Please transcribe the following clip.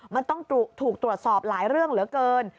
มันต้องถูกตรวจสอบหลายเรื่องเหลือเกิน